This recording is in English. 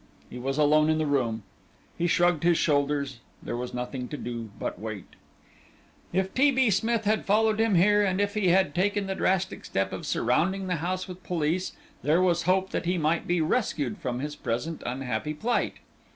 He was alone in the room. He shrugged his shoulders; there was nothing to do but wait. If T. B. Smith had followed him here, and if he had taken the drastic step of surrounding the house with police, there was hope that he might be rescued from his present unhappy plight.